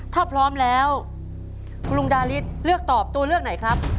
ถ้าพร้อมแล้วคุณลุงดาริสเลือกตอบตัวเลือกไหนครับ